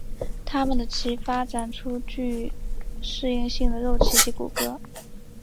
它们的鳍发展出具适应性的肉鳍及骨骼。